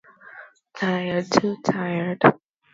One of Europe's largest wine cellars called is located in Breisach.